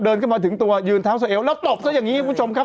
ขึ้นมาถึงตัวยืนเท้าสะเอวแล้วตบซะอย่างนี้คุณผู้ชมครับ